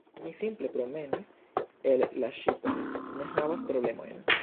Mi simple promenis el la ŝipon. Ne havas problemojn